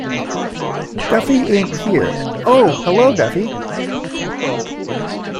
Duffy ain't here-oh, hello, Duffy.